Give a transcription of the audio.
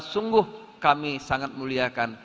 sungguh kami sangat muliakan